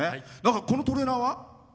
このトレーナーは？